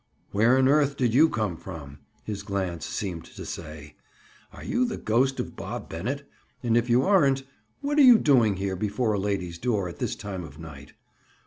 "Where on earth did you come from?" his glance seemed to say. "Are you the ghost of Bob Bennett? And if you aren't, what are you doing here, before a lady's door, at this time of night?"